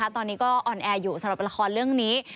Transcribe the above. ตอนนี้ก็อ่อนแออยู่สำหรับละครเรื่องนี้